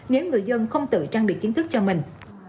nếu người dân không tự trang bị kiến thức cho mình